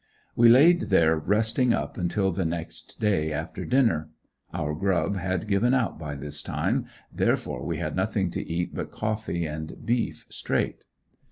We laid there resting up until the next day after dinner. Our grub had given out by this time, therefore we had nothing to eat but coffee and beef "straight."